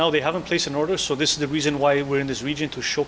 jadi ini adalah alasan mengapa kita di seluruh negara ini untuk menunjukkan pesawat